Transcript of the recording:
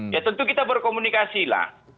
ya tentu kita berkomunikasi lah